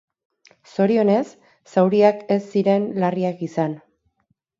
Zorionez, zauriak ez ziren larriak izan.